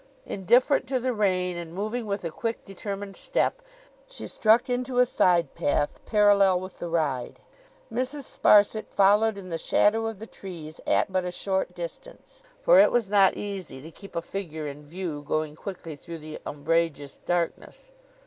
Indifferent to the rain, and moving with a quick determined step, she struck into a side path parallel with the ride. Mrs. Sparsit followed in the shadow of the trees, at but a short distance; for it was not easy to keep a figure in view going quickly through the umbrageous darkness.